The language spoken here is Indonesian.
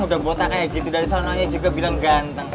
udah buatan kayak gitu dari sana aja juga bilang ganteng